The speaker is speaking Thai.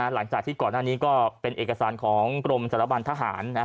หลังจากที่ก่อนหน้านี้ก็เป็นเอกสารของกรมสารบันทหาร